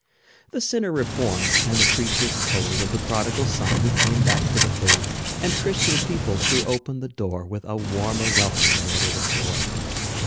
The sinner reformed; and the preacher told Of the prodigal son who came back to the fold. And Christian people threw open the door, With a warmer welcome than ever before.